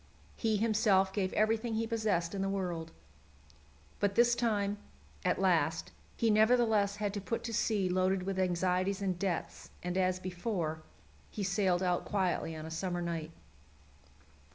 He himself gave everything he possessed in the world. But this time, as last, he nevertheless had to put to sea loaded with anxieties and debts, and, as before, he sailed out quietly on a summer night.